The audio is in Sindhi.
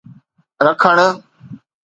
رکڻ